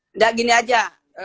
enggak gini aja